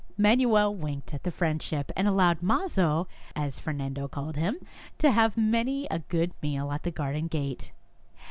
Manuel winked at the friendship, and allowed Mazo, as Fernando called him, to have many a good meal at the garden gate.